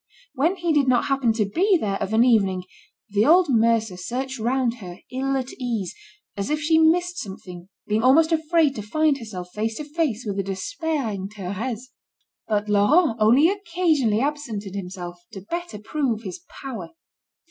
When he did not happen to be there of an evening, the old mercer searched round her, ill at ease, as if she missed something, being almost afraid to find herself face to face with the despairing Thérèse. But Laurent only occasionally absented himself to better prove his power.